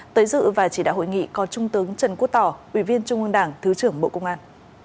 tới dự và chỉ đạo hội nghị có trung tướng trần quốc tỏ ủy viên trung ương đảng thứ trưởng bộ công an